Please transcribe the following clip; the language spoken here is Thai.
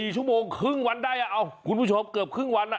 ๔ชั่วโมงครึ่งวันได้คุณผู้ชมเกือบครึ่งวัน